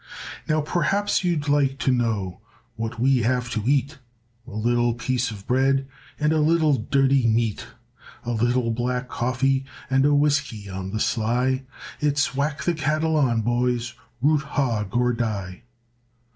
Now perhaps you'd like to know What we have to eat, A little piece of bread And a little dirty meat, A little black coffee, And whiskey on the sly; It's whack the cattle on, boys, Root hog or die.